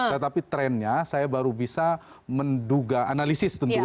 tetapi trennya saya baru bisa menduga menganalisis tentu